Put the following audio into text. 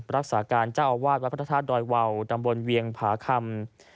รักษาการเจ้าอาวาสวัดพระธาตุดอยวาวตำบลเวียงผาคำ